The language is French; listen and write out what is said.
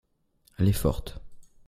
les fortes.